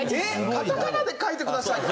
カタカナで書いてくださいよ。